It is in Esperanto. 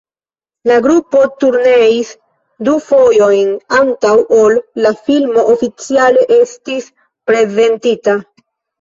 La grupo turneis du fojojn, antaŭ ol la filmo oficiale estis prezentita.